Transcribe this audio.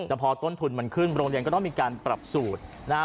แต่พอต้นทุนมันขึ้นโรงเรียนก็ต้องมีการปรับสูตรนะฮะ